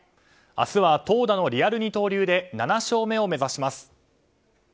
明日は投打のリアル二刀流で７勝目を目指します。